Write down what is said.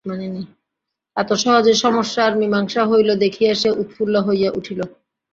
এত সহজে সমস্যার মীমাংসা হইল দেখিয়া সে উৎফুল্ল হইয়া উঠিল।